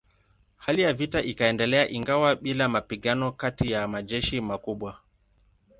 Hali ya vita ikaendelea ingawa bila mapigano kati ya majeshi makubwa.